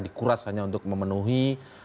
dikuras hanya untuk memenuhi